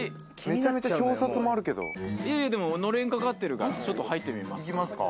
えっでものれんかかってるからちょっと入ってみますか。